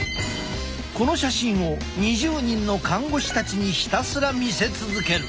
この写真を２０人の看護師たちにひたすら見せ続ける。